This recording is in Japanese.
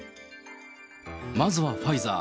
まずはファイザー。